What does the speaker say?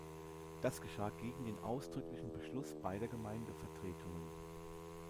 Das geschah gegen den ausdrücklichen Beschluss beider Gemeindevertretungen.